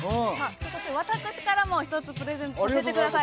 そして、私からも１つプレゼントさせてください。